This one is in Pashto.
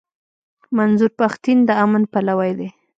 منظور پښتين د امن پلوی دی.